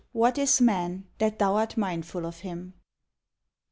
WHAT IS MAN THAT THOU ART MINDFUL OF HIM!